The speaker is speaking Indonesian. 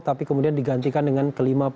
tapi kemudian digantikan dengan kelima